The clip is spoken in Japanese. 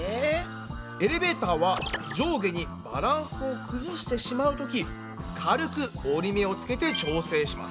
エレベータは上下にバランスを崩してしまうとき軽く折り目をつけて調整します。